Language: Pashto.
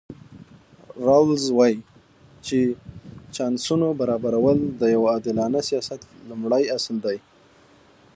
راولز وایي چې د چانسونو برابرول د یو عادلانه سیاست لومړی اصل دی.